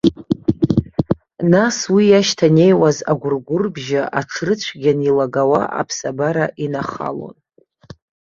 Нас уи иашьҭанеиуаз агәыргәырбжьы аҽрыцәгьаны илагауа аԥсабара инахалон.